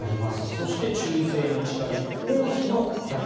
そして忠誠の誓い王妃の戴冠。